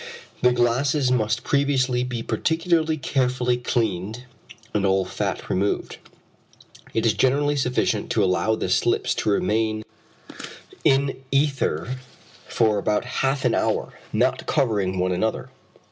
The glasses must previously be particularly carefully cleaned, and all fat removed. It is generally sufficient to allow the slips to remain in ether for about half an hour, not covering one another.